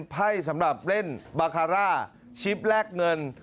ไพ่สำหรับเล่นบาคาร่าชิปแลกเงิน